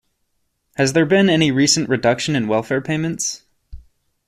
Has there been any recent reduction in welfare payments?